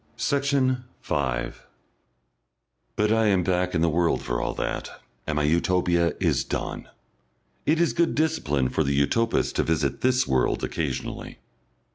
Section 5 But I am back in the world for all that, and my Utopia is done. It is good discipline for the Utopist to visit this world occasionally.